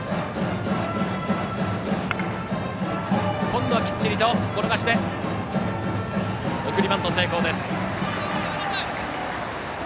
今度はきっちりと転がして送りバント成功です。